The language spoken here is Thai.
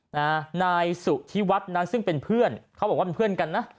นายสุธิวัฒน์นั้นซึ่งเป็นเพื่อนเขาบอกว่าเป็นเพื่อนกันนะ